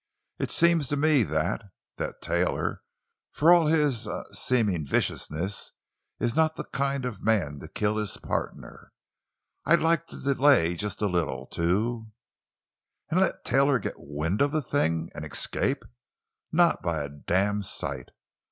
It seems to me that—that Taylor, for all his—er—seeming viciousness, is not the kind of man to kill his partner. I'd like to delay just a little, to——" "And let Taylor get wind of the thing—and escape. Not by a damned sight!